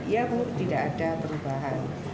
ya tidak ada perubahan